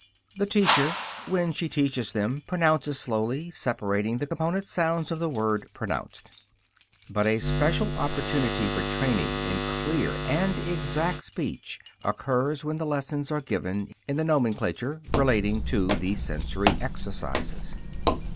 The teacher, when she teaches them, pronounces slowly, separating the component sounds of the word pronounced. But a special opportunity for training in clear and exact speech occurs when the lessons are given in the nomenclature relating to the sensory exercises.